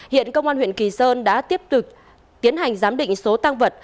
hiện công an huyện kỳ sơn đã tiếp tục tiến hành giám định số tăng vật